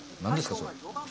それ。